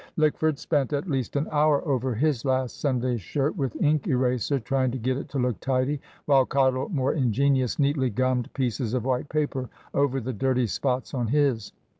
Lickford spent at least an hour over his last Sunday's shirt with ink eraser, trying to get it to look tidy; while Cottle, more ingenious, neatly gummed pieces of white paper over the dirty spots on his.